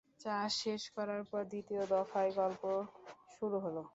চা শেষ করার পর দ্বিতীয় দফায় গল্প শুরু হল।